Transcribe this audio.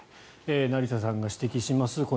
成田さんが指摘します